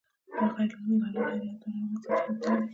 دا له غیر عادلانه وضعیت څخه وتل دي.